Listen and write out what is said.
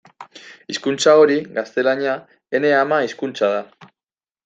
Hizkuntza hori, gaztelania, ene ama-hizkuntza da.